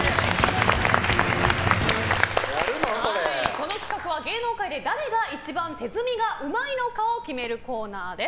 この企画は芸能界で誰が一番手積みがうまいのかを決めるコーナーです。